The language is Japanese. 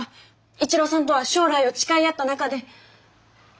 一郎さんとは将来を誓い合った仲で。